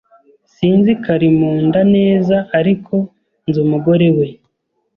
Sinzi Karimunda neza, ariko nzi umugore we.